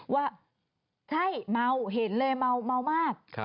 ว่าใช่เมาเห็นเลยเมามาก